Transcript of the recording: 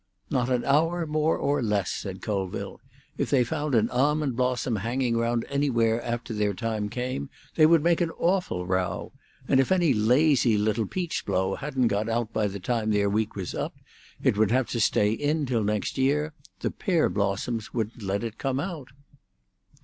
"Not an hour more or less," said Colville. "If they found an almond blossom hanging round anywhere after their time came, they would make an awful row; and if any lazy little peach blow hadn't got out by the time their week was up, it would have to stay in till next year; the pear blossoms wouldn't let it come out."